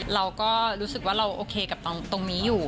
เราก็รู้สึกว่าเราโอเคกับตรงนี้อยู่